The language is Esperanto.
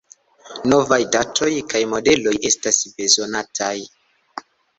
Novaj datoj kaj modeloj estas bezonataj.